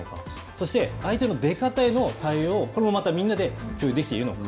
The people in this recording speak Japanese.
そして、相手の出方への対応をこれもまたみんなで共有できているのか。